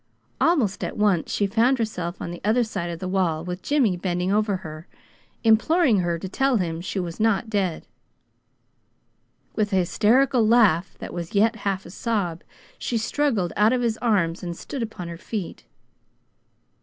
Almost at once then she found herself on the other side of the wall, with Jimmy bending over her, imploring her to tell him she was not dead. With an hysterical laugh that was yet half a sob, she struggled out of his arms and stood upon her feet.